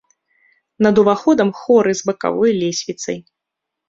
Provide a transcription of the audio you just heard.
Над уваходам хоры з бакавой лесвіцай.